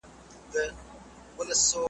هم پر ستړي ځان لرګي یې اورېدله .